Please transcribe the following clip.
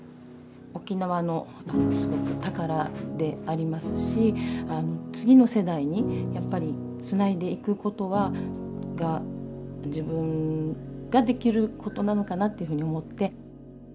沖縄のすごく宝でありますし次の世代にやっぱりつないでいくことが自分ができることなのかなっていうふうに思って。